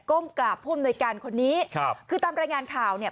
กราบผู้อำนวยการคนนี้ครับคือตามรายงานข่าวเนี่ย